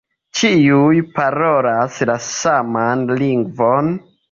Ĉiuj parolas la saman lingvon.